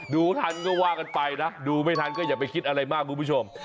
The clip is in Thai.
ดูทันก็ว่ากันไปนะดูไม่ทันก็อย่าไปคิดอะไรมากคุณผู้ชม